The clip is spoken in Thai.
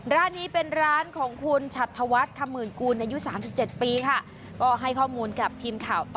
ร้านนี้เป็นร้านของคุณฉัตวาจคมื่นกูลนายุสามสิบเจ็ดปีค่ะ